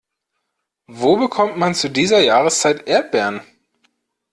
Wo bekommt man zu dieser Jahreszeit Erdbeeren?